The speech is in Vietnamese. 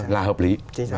là hợp lý